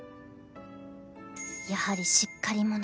やはりしっかり者